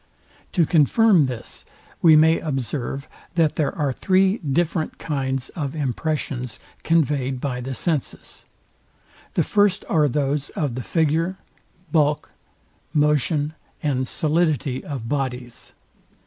To confirm this we may observe, that there are three different kinds of impressions conveyed by the senses. The first are those of the figure, bulk, motion and solidity of bodies.